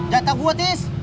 jatah gue tis